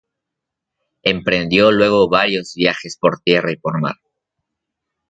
Emprendió luego varios viajes por tierra y por mar.